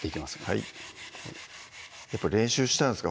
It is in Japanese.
はいやっぱ練習したんですか？